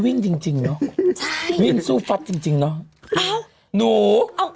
จริงจริงเนอะใช่วิ่งสู้ฟัดจริงจริงเนอะอ้าวหนูเอ้า